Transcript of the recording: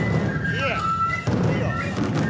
いいよ。